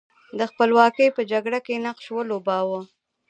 د خپلواکۍ په جګړه کې نقش ولوباوه.